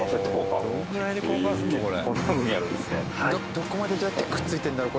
どこまでどうやってくっついてるんだろう？